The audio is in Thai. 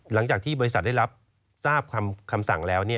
หลังจากที่บริษัทได้รับทราบคำสั่งแล้ว